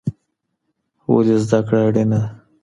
ولې زده کړه اړینه ده؟